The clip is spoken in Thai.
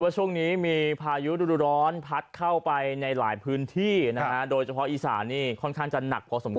ช่วงนี้มีพายุดูร้อนพัดเข้าไปในหลายพื้นที่นะฮะโดยเฉพาะอีสานนี่ค่อนข้างจะหนักพอสมค